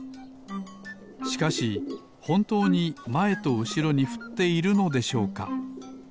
しかしほんとうにまえとうしろにふっているのでしょうか？